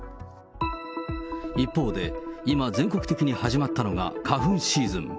一方で、今、全国的に始まったのが花粉シーズン。